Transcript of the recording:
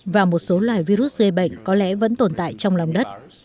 và một số loài virus gây bệnh có lẽ vẫn tồn tại trong lòng đất